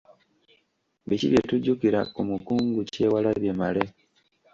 Biki bye tujjukira ku Mukungu Kyewalabye Male?